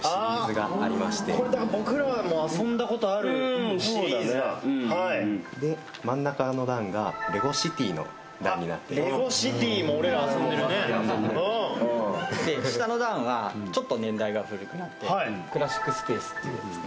がありまして僕らも遊んだことあるシリーズだはいで真ん中の段がレゴシティの段になってあっレゴシティも俺ら遊んでるねうんで下の段はちょっと年代が古くなってクラシックスペースっていうですね